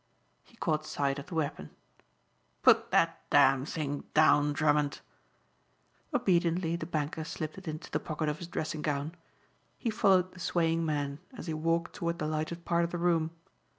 He caught sight of the weapon. "Put that damn thing down, Drummond." Obediently the banker slipped it into the pocket of his dressing gown. He followed the swaying man as he walked toward the lighted part of the room.